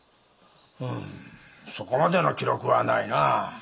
うんそこまでの記録はないなぁ。